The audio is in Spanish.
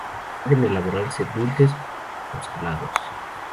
Pueden elaborarse dulces o salados.